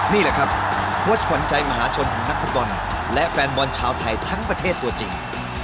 นี่แหละครับโค้ชขวัญใจมหาชนของนักฟุตบอลและแฟนบอลชาวไทยทั้งประเทศตัวจริง